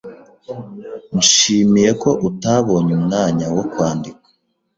Nishimiye ko utabonye umwanya wo kwandika.